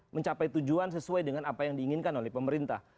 mencapai tujuan sesuai dengan apa yang diinginkan oleh pemerintah